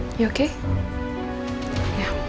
kamu baik baik saja